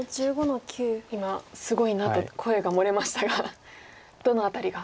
今「すごいな」と声がもれましたがどの辺りが？